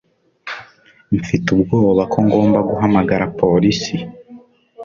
Mfite ubwoba ko ngomba guhamagara polisi.